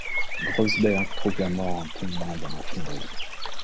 Groesbeck trouve la mort en tombant dans la fonderie.